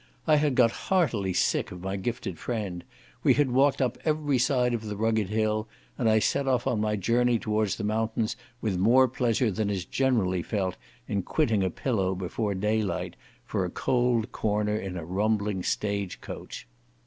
I had got heartily tired of my gifted friend; we had walked up every side of the rugged hill, and I set off on my journey towards the mountains with more pleasure than is generally felt in quitting a pillow before daylight, for a cold corner in a rumbling stage coach.